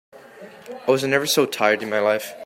I was never so tired in my life.